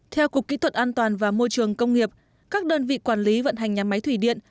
theo cục kỹ thuật an toàn và môi trường công nghiệp các đơn vị quản lý vận hành nhà máy thủy điện